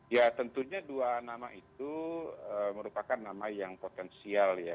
ya tentunya dua nama itu merupakan nama yang potensial ya